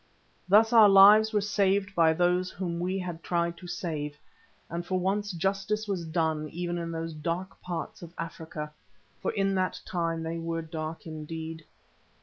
Thus our lives were saved by those whom we had tried to save, and for once justice was done even in those dark parts of Africa, for in that time they were dark indeed.